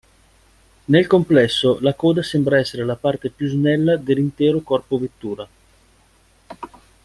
Nel complesso, la coda sembra essere la parte più snella dell'intero corpo vettura.